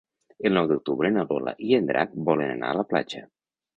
El nou d'octubre na Lola i en Drac volen anar a la platja.